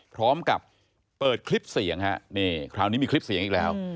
พร้อมกับเปิดคลิปเสียงฮะนี่คราวนี้มีคลิปเสียงอีกแล้ว